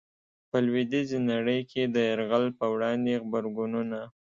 په لويديځي نړۍ کي د يرغل په وړاندي غبرګونونه